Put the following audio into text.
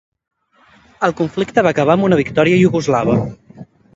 El conflicte va acabar amb una victòria Iugoslava.